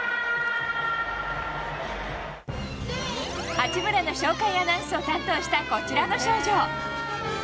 八村の紹介アナウンスを担当した、こちらの少女。